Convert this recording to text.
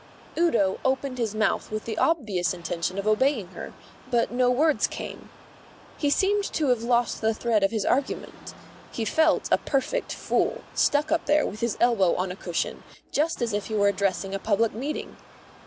Udo opened his mouth with the obvious intention of obeying her, but no words came. He seemed to have lost the thread of his argument. He felt a perfect fool, stuck up there with his elbow on a cushion, just as if he were addressing a public meeting.